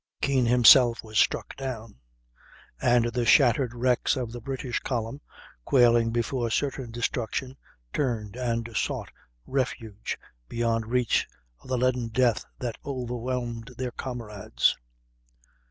Keane himself was struck down; and the shattered wrecks of the British column, quailing before certain destruction, turned and sought refuge beyond reach of the leaden death that overwhelmed their comrades.